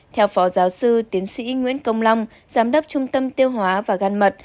theo phó giáo sư tiến sĩ nguyễn công long giám đốc trung tâm tiêu hóa và gan mật